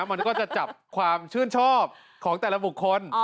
มันก็จะจับความชื่นชอบของแต่ละบุคคล